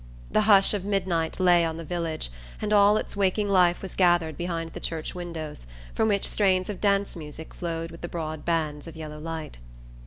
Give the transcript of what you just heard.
The hush of midnight lay on the village, and all its waking life was gathered behind the church windows, from which strains of dance music flowed with the broad bands of yellow light.